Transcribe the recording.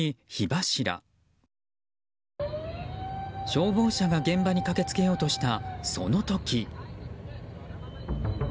消防車が現場に駆け付けようとしたその時。